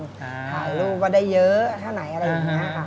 ถ่ายรูปว่าได้เยอะแค่ไหนอะไรอย่างนี้ค่ะ